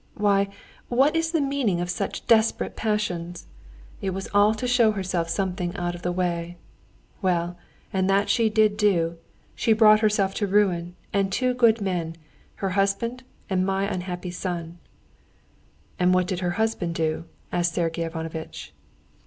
Why, what is the meaning of such desperate passions? It was all to show herself something out of the way. Well, and that she did do. She brought herself to ruin and two good men—her husband and my unhappy son." "And what did her husband do?" asked Sergey Ivanovitch.